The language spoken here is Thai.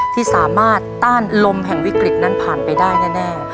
ที่สามารถต้านลมแห่งวิกฤตนั้นผ่านไปได้แน่